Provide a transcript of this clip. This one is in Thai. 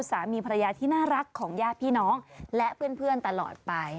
สามีภรรยาที่น่ารักของญาติพี่น้องและเพื่อนตลอดไป